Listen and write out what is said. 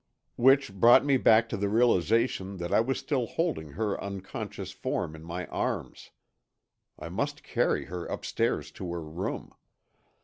Which brought me back to the realization that I was still holding her unconscious form in my arms. I must carry her upstairs to her room.